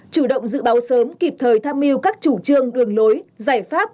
chủ động dự báo sớm kịp thời tham mưu các chủ trương đường lối giải pháp